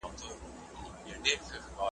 پړ مي که مړ مي که .